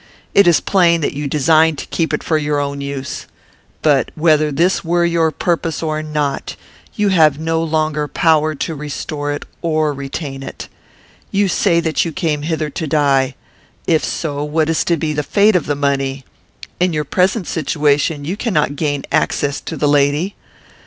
It is plain that you designed to keep it for your own use. "But, whether this were your purpose or not, you have no longer power to restore it or retain it. You say that you came hither to die. If so, what is to be the fate of the money? In your present situation you cannot gain access to the lady.